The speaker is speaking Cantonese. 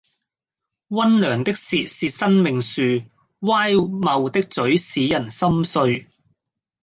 溫良的舌是生命樹，乖謬的嘴使人心碎